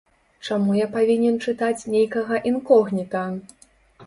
Чаму я павінен чытаць нейкага інкогніта?